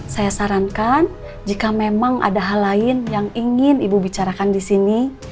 saya sarankan jika memang ada hal lain yang ingin ibu bicarakan di sini